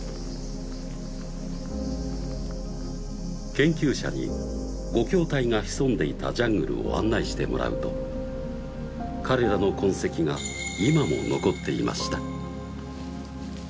研究者に護郷隊が潜んでいたジャングルを案内してもらうと彼らの痕跡が今も残っていました